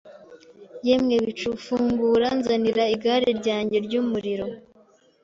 Yemwe bicu fungura Nzanira igare ryanjye ryumuriro